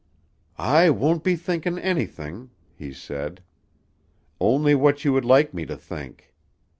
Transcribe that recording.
"I 'won't be thinking' anything," he said, "only what you would like me to think.